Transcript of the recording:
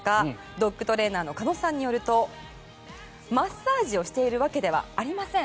ドッグトレーナーの鹿野さんによるとマッサージをしているわけではありません。